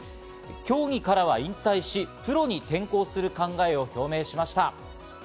競技からは引退し、プロに転向する考えを表明しました。